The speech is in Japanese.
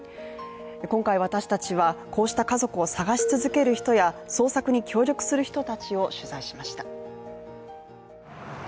今回私たちはこうした家族を捜し続ける人や、捜索に協力する人たちを取材しました。